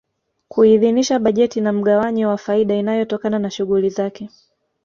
Kuidhinisha bajeti na mgawanyo wa faida inayotokana na shughuli zake